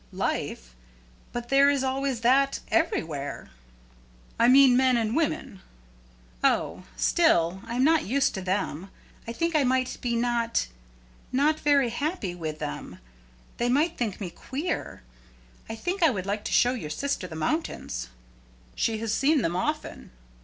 "Life? But there is always that everywhere." "I mean men and women." "Oh! Still, I am not used to them. I think I might be not not very happy with them. They might think me queer. I think I would like to show your sister the mountains." "She has seen them often."